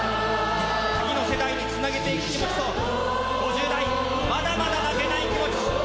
次の世代につなげていく気持ちと、５０代、まだまだ負けない気持ち。